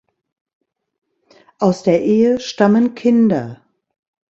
Aus der Ehe stammen Kinder.